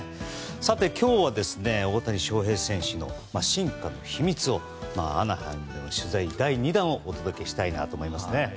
さて今日は大谷翔平選手の進化の秘密をアナハイムでの取材の第２弾をお届けしたいと思います。